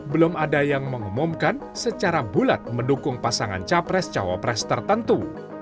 belum ada yang mengumumkan secara bulat mendukung pasangan capres cawapres tertentu